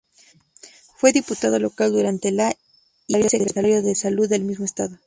Fue Diputado Local durante la y Secretario de Salud del mismo estado.